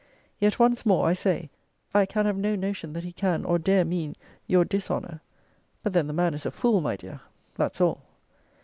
Yet once more, I say, I can have no notion that he can or dare mean your dishonour. But then the man is a fool, my dear that's all.